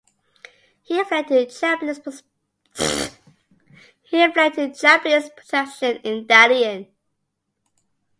He fled to Japanese protection in Dalian.